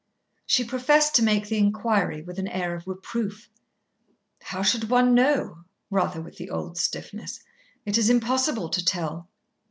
She professed to make the inquiry with an air of reproof. "How should one know?" rather with the old stiffness. "It is impossible to tell."